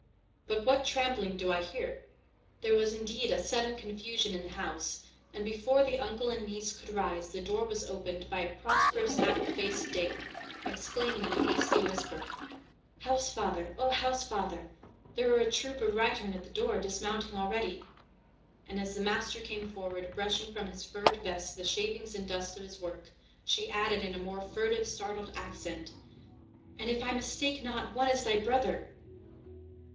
But what trampling do I hear?" There was indeed a sudden confusion in the house, and, before the uncle and niece could rise, the door was opened by a prosperous apple faced dame, exclaiming in a hasty whisper, "Housefather, O Housefather, there are a troop of reitern at the door, dismounting already;" and, as the master came forward, brushing from his furred vest the shavings and dust of his work, she added in a more furtive, startled accent, "and, if I mistake not, one is thy brother!"